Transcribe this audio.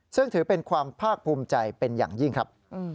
ซึ่งถือเป็นความภาคภูมิใจเป็นอย่างยิ่งครับ